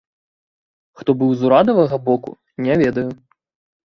Хто быў з урадавага боку, не ведаю.